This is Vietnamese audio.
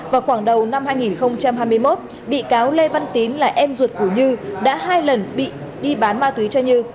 vào khoảng đầu năm hai nghìn hai mươi một bị cáo lê văn tín là em ruột của như đã hai lần bị đi bán ma túy cho như